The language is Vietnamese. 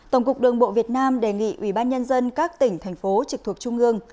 tổng cục đường bộ việt nam đề nghị ubnd các tỉnh thành phố trực thuộc trung ương